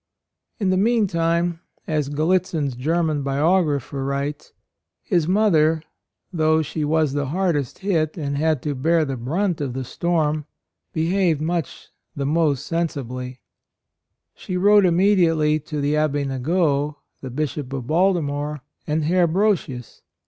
In the meantime, as Gallitzin's German biographer writes, "his mother, though she was the hardest hit and had to bear the brunt of the storm, behaved much the most sensiblv. She 66 A ROYAL SON wrote immediately to the Abbe Nagot, the Bishop of Baltimore, and Herr Brosius.